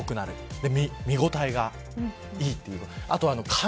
見応えがいいという。